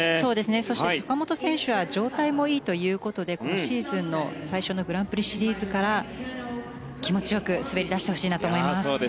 そして坂本選手は状態もいいということで今シーズンの最初のグランプリシリーズから気持ちよく滑り出してほしいなと思います。